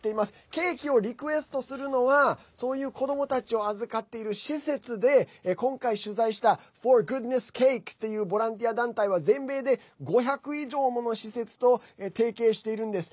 ケーキをリクエストするのはそういう子どもたちを預かっている施設で今回、取材したＦｏｒＧｏｏｄｎｅｓｓＣａｋｅｓっていうボランティア団体は全米で５００以上もの施設と提携しているんです。